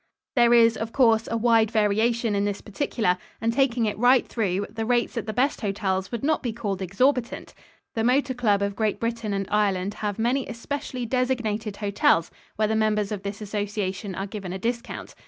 There is, of course, a wide variation in this particular, and taking it right through, the rates at the best hotels would not be called exorbitant. The Motor Club of Great Britain and Ireland have many especially designated hotels where the members of this association are given a discount.